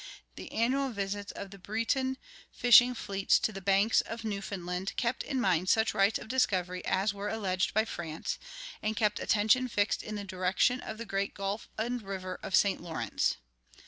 The annual visits of the Breton fishing fleets to the banks of Newfoundland kept in mind such rights of discovery as were alleged by France, and kept attention fixed in the direction of the great gulf and river of St. Lawrence.